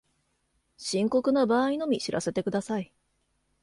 深刻な場合のみ知らせてください